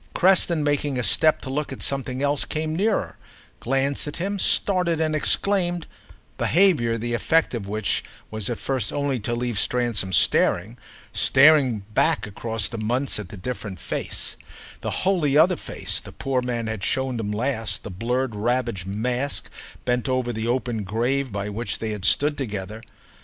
Creston, making a step to look at something else, came nearer, glanced at him, started and exclaimed—behaviour the effect of which was at first only to leave Stransom staring, staring back across the months at the different face, the wholly other face, the poor man had shown him last, the blurred ravaged mask bent over the open grave by which they had stood together.